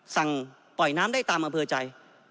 สั่งปล่อยน้ำได้ตามอำเภอใจ